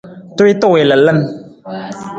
Tuwiita wii lalan.